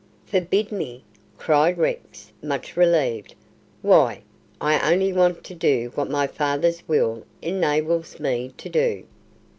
"Forbid me!" cried Rex, much relieved. "Why, I only want to do what my father's will enables me to do."